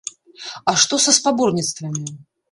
А што са спаборніцтвамі?